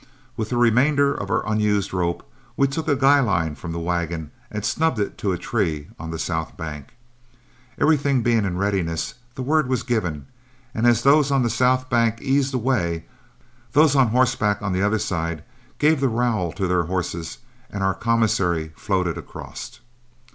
With the remainder of our unused rope, we took a guy line from the wagon and snubbed it to a tree on the south bank. Everything being in readiness, the word was given, and as those on the south bank eased away, those on horseback on the other side gave the rowel to their horses, and our commissary floated across.